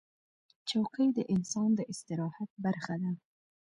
چوکۍ د انسان د استراحت برخه ده.